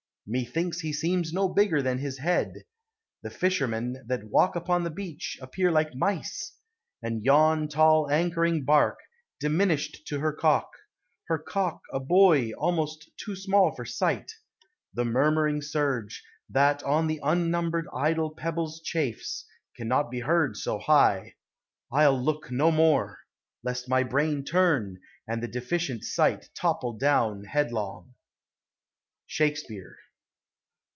Methinks he seems no bigger than his head: The fishermen, that walk, upon the beach, Appear like mice; and yon tall anchoring bark, Diminished to her cock ; her cock, a buoy Almost too small for sight : the murmuring surge, That on the unnumbered idle pebbles chafes, INLAND WATERS: HIGHLANDS. 215 Cannot be heard so high. — I '11 look no more; Lest my brain turn, and the deficient Bight Topple down headlong. SHAKESPEARE.